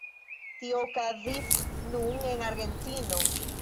Tio okazis nun en Argentino.